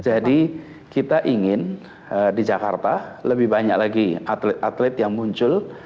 jadi kita ingin di jakarta lebih banyak lagi atlet atlet yang muncul